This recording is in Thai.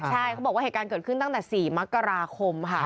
ใช่เขาบอกว่าเหตุการณ์เกิดขึ้นตั้งแต่๔มกราคมค่ะ